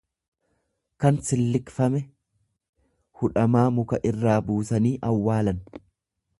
kan sillikfame; Hudhamaa muka irraa buusanii awwaalan.